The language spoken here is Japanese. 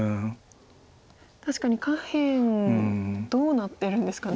確かに下辺どうなってるんですかね。